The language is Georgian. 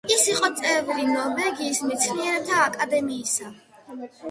ის იყო წევრი ნორვეგიის მეცნიერებათა აკადემიისა.